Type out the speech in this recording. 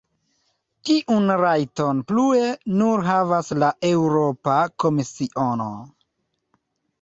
Tiun rajton plue nur havas la Eŭropa Komisiono.